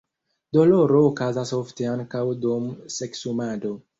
Doloro okazas ofte ankaŭ dum seksumado.